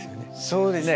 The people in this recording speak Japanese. そうですね。